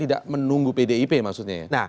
tidak menunggu pdip maksudnya ya